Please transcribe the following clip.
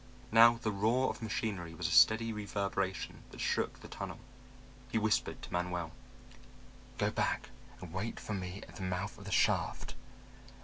Now the roar of machinery was a steady reverberation that shook the tunnel. He whispered to Manuel: "Go back and wait for me at the mouth of the shaft.